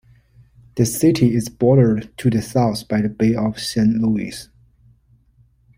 The city is bordered to the south by the Bay of Saint Louis.